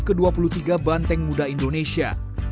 ke dua puluh tiga banteng muda indonesia